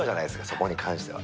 そこに関しては。